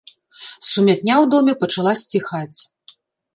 Сумятня ў доме пачала сціхаць.